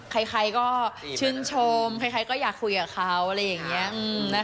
ใครก็ชื่นชมใครก็อยากคุยกับเขาอะไรอย่างนี้